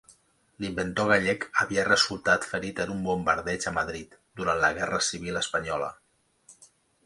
L'inventor gallec havia resultat ferit en un bombardeig a Madrid, durant la Guerra Civil espanyola.